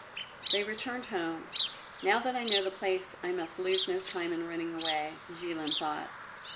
They returned home. "Now that I know the place I must lose no time in running away," Jilin thought.